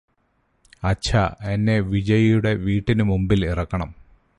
അച്ഛാ എന്നെ വിജയിയുടെ വീട്ടിനുമുമ്പിൽ ഇറക്കണം